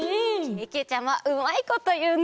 けけちゃまうまいこというね！